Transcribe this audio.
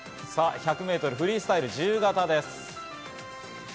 １００ｍフリースタイル自由形です。